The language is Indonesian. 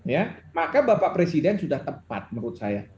ya maka bapak presiden sudah tepat menurut saya